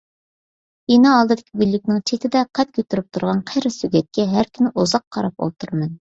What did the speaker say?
بىنا ئالدىدىكى گۈللۈكنىڭ چېتىدە قەد كۆتۈرۈپ تۇرغان قېرى سۆگەتكە ھەر كۈنى ئۇزاق قاراپ ئولتۇرىمەن.